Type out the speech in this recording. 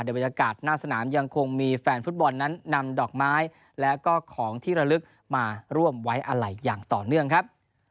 บรรยากาศหน้าสนามยังคงมีแฟนฟุตบอลนั้นนำดอกไม้และก็ของที่ระลึกมาร่วมไว้อะไรอย่างต่อเนื่องครับ